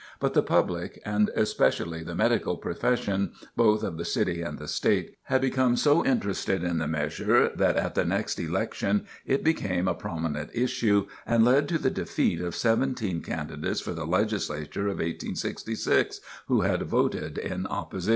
But the public, and especially the medical profession, both of the city and the State, had become so interested in the measure that at the next election it became a prominent issue and led to the defeat of seventeen candidates for the Legislature of 1866 who had voted in opposition.